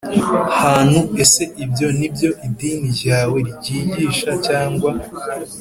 hantu Ese ibyo ni byo idini ryawe ryigisha cyangwa